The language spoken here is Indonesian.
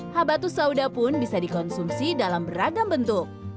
habatus sauda pun bisa dikonsumsi dalam beragam bentuk